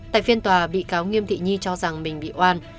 tại phiên tòa bị cáo nghiêm thị nhi cho rằng mình bị oan